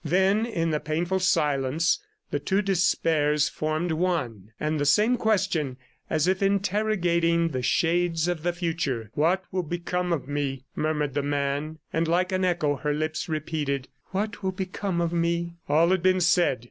Then in the painful silence the two despairs formed one and the same question, as if interrogating the shades of the future: "What will become of me?" murmured the man. And like an echo her lips repeated, "What will become of me?" All had been said.